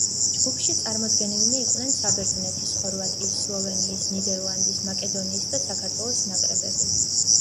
ჯგუფში წარმოდგენილნი იყვნენ საბერძნეთის, ხორვატიის, სლოვენიის, ნიდერლანდის, მაკედონიის და საქართველოს ნაკრებები.